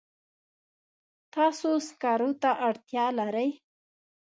تاسو سکرو ته اړتیا لرئ.